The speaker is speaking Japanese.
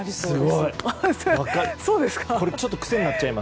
すごい！